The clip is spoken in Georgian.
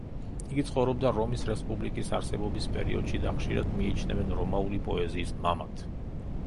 იგი ცხოვრობდა რომის რესპუბლიკის არსებობის პერიოდში და ხშირად მიიჩნევენ რომაული პოეზიის მამად.